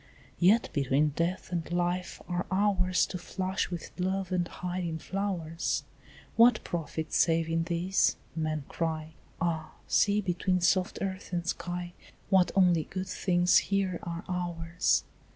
"Yet between death and life are hours To flush with love and hide in flowers; What profit save in these?" men cry: "Ah, see, between soft earth and sky, What only good things here are ours!"